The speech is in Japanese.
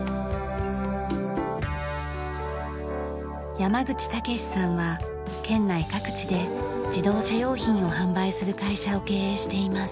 山口武さんは県内各地で自動車用品を販売する会社を経営しています。